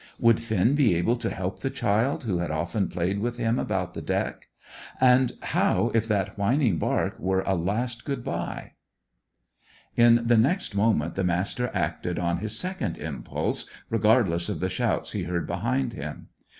Would Finn be able to help the child who had often played with him about the deck? And how if that whining bark were a last good bye? In the next moment the Master acted on his second impulse, regardless of the shouts he heard behind him.